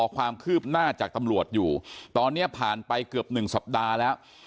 ความจากตำรวจอยู่ตอนเนี้ยผ่านไปเกือบหนึ่งสัปดาห์แล้ว